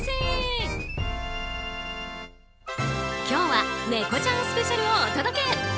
今日は猫ちゃんスペシャルをお届け。